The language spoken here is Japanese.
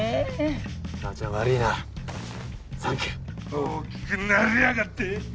大きくなりやがって。